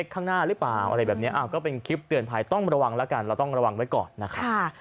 คลิปเตือนภายต้องระวังแล้วกันเราต้องระวังไว้ก่อนนะคะ